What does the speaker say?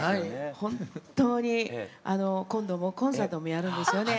本当に今度もうコンサートもやるんですよね